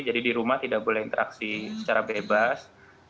jadi di rumah tidak boleh interaksi secara bebas